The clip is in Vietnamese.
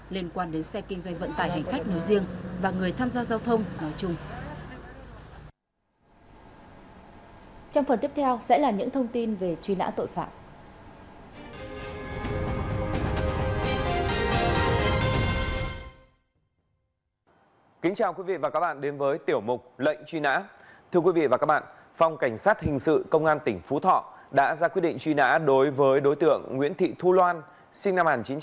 liên quan đến xe kinh doanh vận tải hành khách nối riêng và người tham gia giao thông nói chung